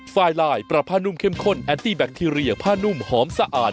ไฟลายปรับผ้านุ่มเข้มข้นแอนตี้แบคทีเรียผ้านุ่มหอมสะอาด